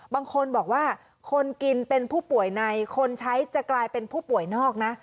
บางคนบอกว่าคนกินเป็นผู้ป่วยในคนใช้จะกลายเป็นผู้ป่วยนอกนะ